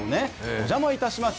お邪魔いたします。